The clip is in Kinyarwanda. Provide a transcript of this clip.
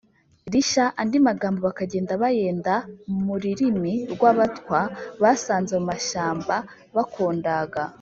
rishya. andi magambo bakagenda bayenda mu ririmi rw’abatwa basanze mu mashyamba bakondaga.